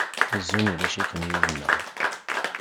Zun ulac-ikem yid-neɣ.